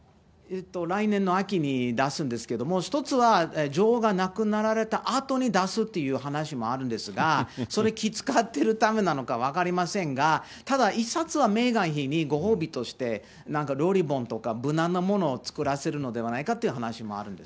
来年の秋に出すんですけれども、１つは女王が亡くなられたあとに出すっていう話もあるんですが、それ、気遣ってるためなのか分かりませんが、ただ、１冊はメーガン妃にご褒美として、何か料理本とか作らせるのではないかという話もあるんです。